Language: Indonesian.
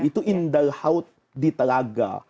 itu indalhaut di telaga